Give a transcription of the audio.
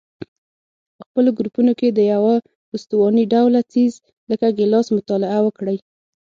په خپلو ګروپونو کې د یوه استواني ډوله څیز لکه ګیلاس مطالعه وکړئ.